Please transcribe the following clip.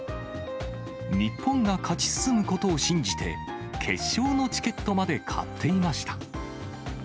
日本が勝ち進むことを信じて、決勝のチケットまで買っていました。